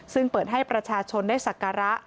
ซึ่งเปิดให้ประชาชนได้สักการะ